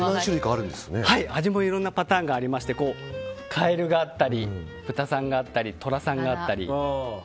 味もいろんなパターンがあってカエルがあったり豚さんがあったりトラさんがあったり。